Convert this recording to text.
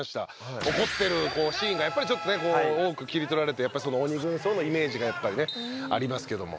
怒ってるシーンがやっぱりちょっとね多く切り取られて鬼軍曹のイメージがやっぱりねありますけども。